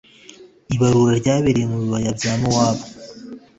ibarura ryabereye mu bibaya bya mowabu.